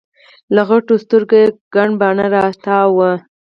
له غټو سترګو یي ګڼ باڼه راتاو وو